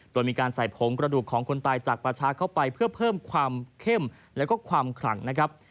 โดยมีการใส่ผงกระดูกของคนตายจากประชาเข้าไปเพื่อเพิ่มความเข้มแล้วก็ความขลังนะครับ